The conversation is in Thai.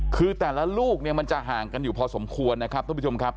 คือแต่ละลูกเนี่ยมันจะห่างกันอยู่พอสมควรนะครับท่านผู้ชมครับ